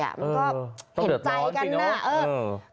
มันก็เห็นใจกันนะ